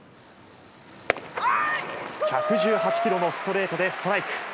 １１８キロのストレートでストライク。